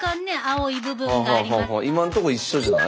今んとこ一緒じゃない？